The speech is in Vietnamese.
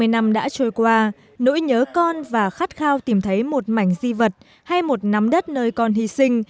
hai mươi năm đã trôi qua nỗi nhớ con và khát khao tìm thấy một mảnh di vật hay một nắm đất nơi con hy sinh